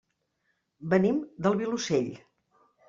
Venim del Vilosell.